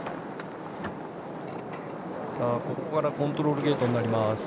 ここからコントロールゲートになります。